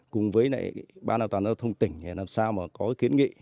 cùng với ban an toàn đoàn thông tỉnh để làm sao có kiến nghị